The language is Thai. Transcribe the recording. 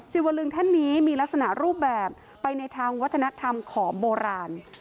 วลึงท่านนี้มีลักษณะรูปแบบไปในทางวัฒนธรรมของโบราณ